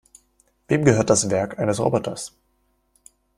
Wem gehört das Werk eines Roboters?